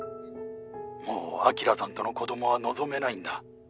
もう晶さんとの子供は望めないんだ。